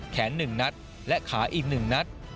แขนหนึ่งนัดและขาอีกหนึ่งนัด